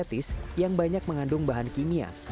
ini juga baru hari dunia